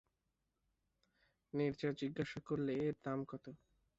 নীরজা জিজ্ঞাসা করলে, এর দাম কত।